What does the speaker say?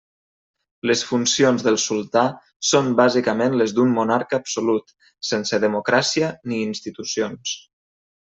Les funcions del sultà són bàsicament les d'un monarca absolut, sense democràcia ni institucions.